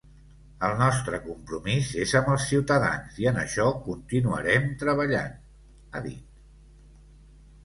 El nostre compromís és amb els ciutadans i en això continuarem treballant, ha dit.